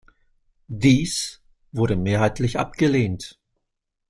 Dies wurde mehrheitlich abgelehnt.